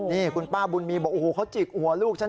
นี่คุณป้าบุญมีบอกโอ้โหเขาจิกหัวลูกฉัน